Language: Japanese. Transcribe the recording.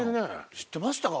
知ってましたか？